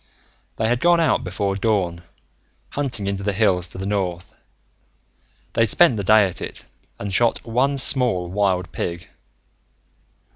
They had gone out before dawn, hunting into the hills to the north. They'd spent the day at it, and shot one small wild pig.